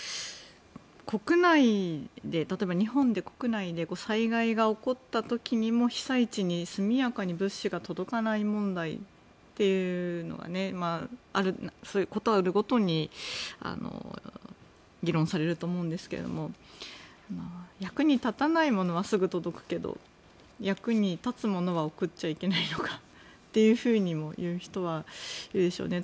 例えば、日本で国内で災害が起こった時にも被災地に速やかに物資が届かない問題っていうのはそういう事あるごとに議論されると思うんですけど役に立たないものはすぐ届くけど役に立つものは送っちゃいけないのかって言う人もいるでしょうね。